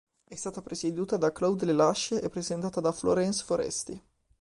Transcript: È stata presieduta da Claude Lelouch e presentata da Florence Foresti.